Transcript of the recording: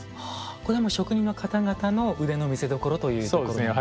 これも職人の方々の腕の見せどころというところなんでしょうか。